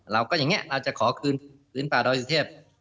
เราก็อย่างนี้เราจะขอคืนปลารายสุเทพฯ